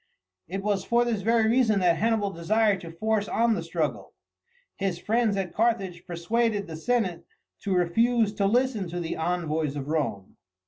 It was for this very reason that Hannibal desired to force on the struggle. His friends at Carthage persuaded the senate to refuse to listen to the envoys of Rome.